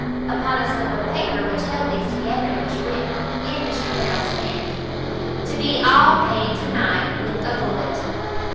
Upon a slip of paper which held these together, was written, in Mr Harrel's hand, To be all paid to night with a BULLET.